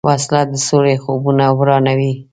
وسله د سولې خوبونه ورانوي